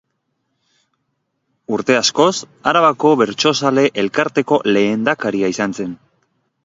Urte askoz Arabako Bertsozale Elkarteko lehendakaria izan zen.